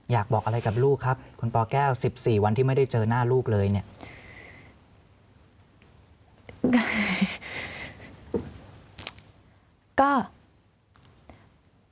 อยากบอกอะไรกับลูกครับคุณปแก้ว๑๔วันที่ไม่ได้เจอหน้าลูกเลยเนี่ย